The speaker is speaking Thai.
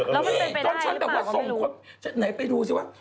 แล้วมันเป็นไปได้หรือเปล่าผมไม่รู้นี่ตอนฉันแบบว่าส่งไหนไปดูซิว่า